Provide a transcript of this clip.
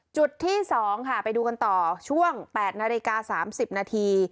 จุดที่๒ค่ะไปดูกันต่อช่วง๘นาฬิกา๓๐นาที